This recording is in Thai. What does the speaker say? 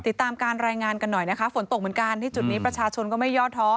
ติดตามการรายงานกันหน่อยนะคะฝนตกเหมือนกันที่จุดนี้ประชาชนก็ไม่ย่อท้อ